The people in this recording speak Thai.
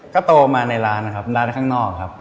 ก็โตมาในร้านนะครับร้านข้างนอกครับ